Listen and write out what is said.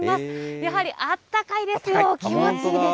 やはりあったかいですよ、気持ちいいです。